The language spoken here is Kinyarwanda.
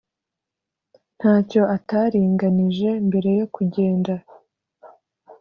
Ntacyo ataringanije mbere yokugenda